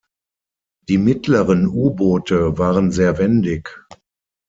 Die mittleren U-Boote waren sehr wendig.